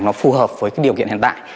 nó phù hợp với điều kiện hiện tại